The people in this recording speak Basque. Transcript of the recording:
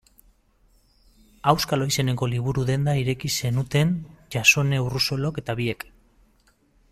Auskalo izeneko liburu-denda ireki zenuten Josune Urrosolok eta biek.